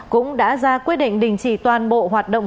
cũng đã ra quyết định đình chỉ toàn bộ hoạt động